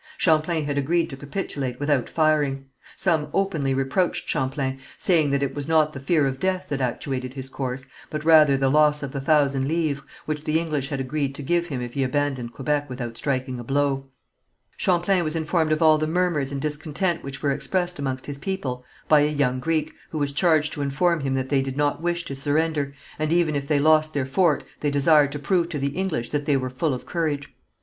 Champlain had agreed to capitulate without firing. Some openly reproached Champlain, saying that it was not the fear of death that actuated his course, but rather the loss of the thousand livres, which the English had agreed to give him if he abandoned Quebec without striking a blow. Champlain was informed of all the murmurs and discontent which were expressed amongst his people by a young Greek, who was charged to inform him that they did not wish to surrender, and even if they lost their fort, they desired to prove to the English that they were full of courage.